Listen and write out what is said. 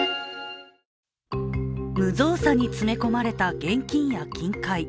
無造作に詰め込まれた現金や金塊。